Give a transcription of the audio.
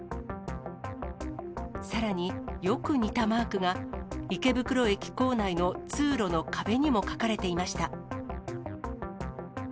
さらに、よく似たマークが、池袋駅構内の通路の壁にもかかれていました。